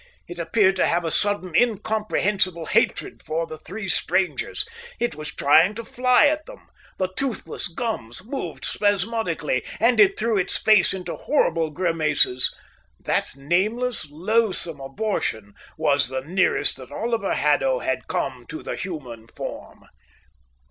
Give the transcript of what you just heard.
It appeared to have a sudden incomprehensible hatred for the three strangers. It was trying to fly at them. The toothless gums moved spasmodically, and it threw its face into horrible grimaces. That nameless, loathsome abortion was the nearest that Oliver Haddo had come to the human form.